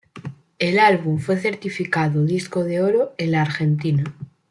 El álbum fue certificado Disco de Oro en la Argentina.